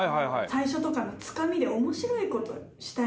最初とかのつかみで面白い事したいなって。